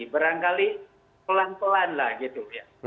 berangkali pelan pelan lah gitu